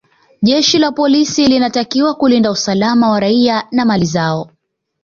jeshi la polisi linatakiwa kulinda usalama wa raia na mali zao